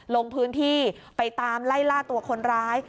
ลงพื้นที่ไปตามไล่ล่าตัวคนร้าย